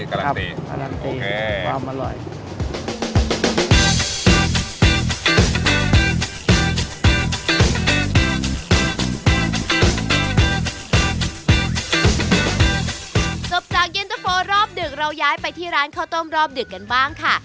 จบจากเย็นตะโฟรอบดึกเราย้ายไปที่ร้านข้าวต้มรอบดึกกันบ้างค่ะ